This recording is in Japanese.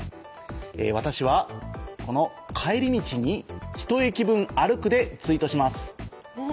私はこの「帰り道に一駅分歩く」でツイートします。